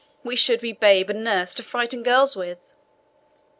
We should be a babe and nurse to frighten girls with."